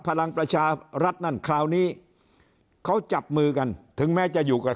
พลังประชารัฐนั่นคราวนี้เขาจับมือกันถึงแม้จะอยู่กับ